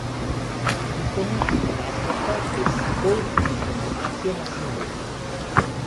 Икона или насмевка е симбол или комбинација на симболи.